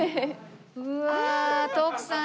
うわあ徳さん！